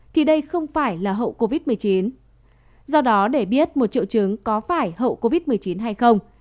thì đây không phải là hậu covid một mươi chín do đó để biết một triệu chứng có phải hậu covid một mươi chín hay không